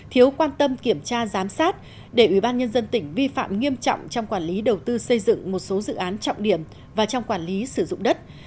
thiếu quan tâm kiểm tra giám sát để ủy ban nhân dân tỉnh vi phạm nghiêm trọng trong quản lý đầu tư xây dựng một số dự án trọng điểm và trong quản lý sử dụng đất